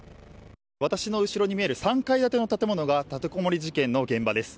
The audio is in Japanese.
私の後ろに見える３階建ての建物が立てこもり事件の現場です。